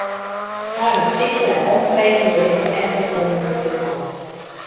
Nei wat sykjen en omfreegjen bin ik derefter kommen hoe't dit moat.